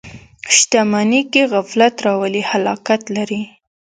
• شتمني که غفلت راولي، هلاکت لري.